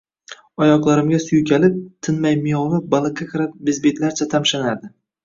oyoqlarimga suykalib, tinmay miyovlab baliqqa qarab bezbetlarcha tamshanardi.